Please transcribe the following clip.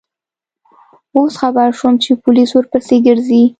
اوس خبر شوم چې پولیس ورپسې گرځي.